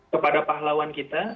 kepada pahlawan kita